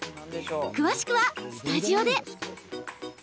詳しくはスタジオで。